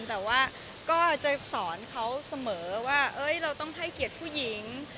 แต่ว่าก็จะสอนเขาเสมอว่าเราต้องให้เกียรติผู้หญิง